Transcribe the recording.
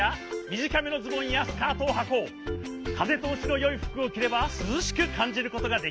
かぜとおしのよいふくをきればすずしくかんじることができるぞ。